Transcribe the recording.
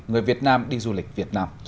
người việt nam đi du lịch việt nam